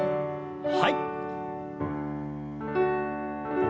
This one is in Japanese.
はい。